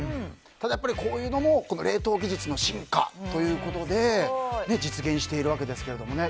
ただ、こういうのも冷凍技術の進化ということで実現しているわけですけどもね。